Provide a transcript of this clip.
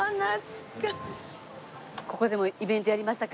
ここでもイベントやりましたか？